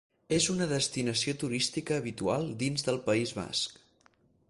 És una destinació turística habitual dins del País Basc.